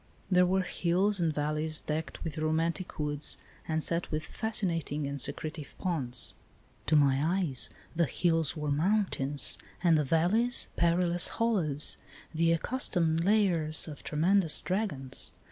There were hills and valleys decked with romantic woods and set with fascinating and secretive ponds. To my eyes the hills were mountains and the valleys perilous hollows, the accustomed lairs of tremendous dragons.